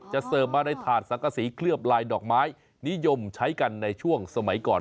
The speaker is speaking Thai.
เสิร์ฟมาในถาดสังกษีเคลือบลายดอกไม้นิยมใช้กันในช่วงสมัยก่อน